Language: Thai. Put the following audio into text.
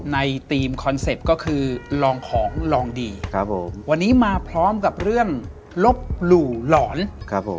ในทีมคอนเซ็ปต์ก็คือลองของลองดีครับผมวันนี้มาพร้อมกับเรื่องลบหลู่หลอนครับผม